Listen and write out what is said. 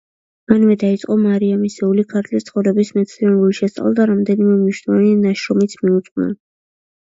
მანვე დაიწყო მარიამისეული „ქართლის ცხოვრების“ მეცნიერული შესწავლა და რამდენიმე მნიშვნელოვანი ნაშრომიც მიუძღვნა.